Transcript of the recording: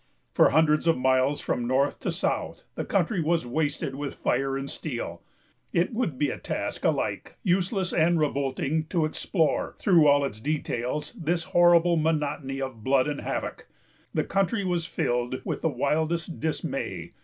For hundreds of miles from north to south, the country was wasted with fire and steel. It would be a task alike useless and revolting to explore, through all its details, this horrible monotony of blood and havoc. The country was filled with the wildest dismay.